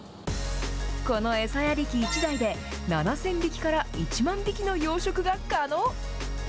この餌やり機１台で７０００匹から１万匹の養殖が可能。